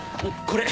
これ。